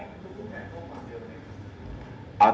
ทุกแผนต้องความลึก